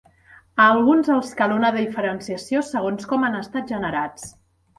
A alguns els cal una diferenciació segons com han estat generats.